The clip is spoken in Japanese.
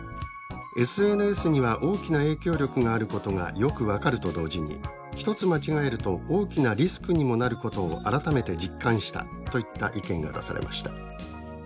ＳＮＳには大きな影響力があることがよく分かると同時に一つ間違えると大きなリスクにもなることを改めて実感した」といった意見が出されました。